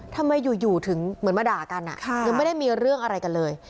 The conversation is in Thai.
ทำไมอยู่ถึงเหมือนมาด่ากันยังไม่ได้มีเรื่องอะไรกันเลย